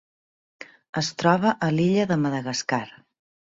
Es troba a l'illa de Madagascar.